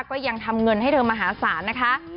ก็ยังทำเงินให้เธอมหาศาลนะคะ